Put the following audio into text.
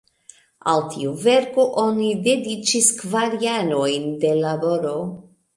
Al tiu verko oni dediĉis kvar jarojn de laboro.